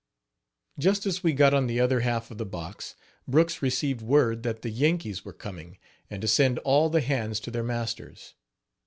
Just as we got on the other half of the box, Brooks received word that the Yankees were coming, and to send all the hands to their masters.